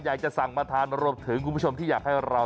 อยากจะสั่งมาทานรวมถึงคุณผู้ชมที่อยากให้เรา